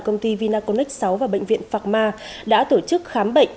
công ty vinacon x sáu và bệnh viện phạc ma đã tổ chức khám bệnh